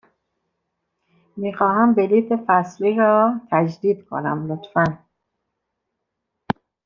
می خواهم بلیط فصلی را تجدید کنم، لطفاً.